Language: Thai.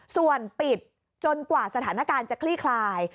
ส่วนปิดจนกว่าสถานการณ์จะคลี่คลาย